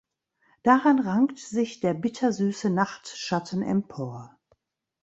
Daran rankt sich der Bittersüße Nachtschatten empor.